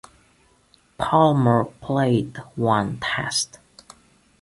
Palmer played one Test.